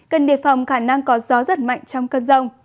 cần đề phòng khả năng có gió rất mạnh trong cơn rông